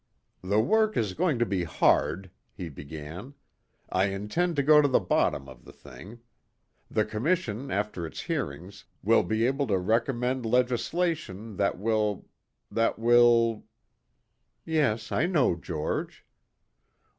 "The work is going to be hard," he began. "I intend to go to the bottom of the thing. The Commission after its hearings will be able to recommend legislation that will ... that will...." "Yes, I know George."